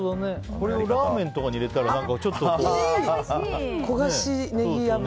これをラーメンとかに入れたらちょっとね。